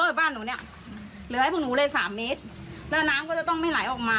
เหลือให้พวกหนูเลยสามเมตรแล้วน้ำก็จะต้องไม่ไหลออกมา